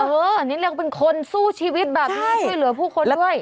อันนี้เรียกว่าเป็นคนสู้ชีวิตแบบนี้ช่วยเหลือผู้คนด้วย